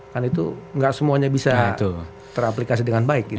kan itu nggak semuanya bisa teraplikasi dengan baik gitu